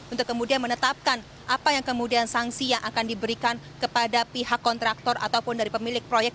untuk kemudian menetapkan apa yang kemudian sanksi yang akan diberikan kepada pihak kontraktor ataupun dari pemilik proyek